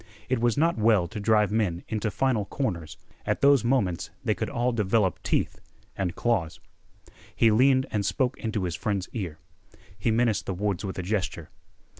It was not well to drive men into final corners; at those moments they could all develop teeth and claws. He leaned and spoke into his friend's ear. He menaced the woods with a gesture.